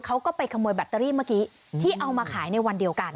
เขาก็ไปขโมยแบตเตอรี่เมื่อกี้ที่เอามาขายในวันเดียวกัน